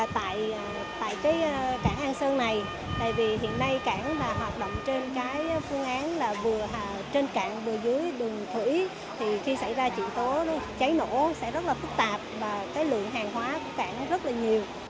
thì khi xảy ra trị tố cháy nổ sẽ rất là phức tạp và cái lượng hàng hóa của cảng rất là nhiều